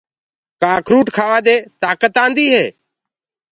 ڪآ اکروُٽ ڪآوآ دي تآڪت آندي هي۔